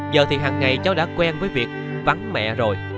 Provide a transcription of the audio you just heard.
giờ thì hằng ngày cháu đã quen với việc vắng mẹ rồi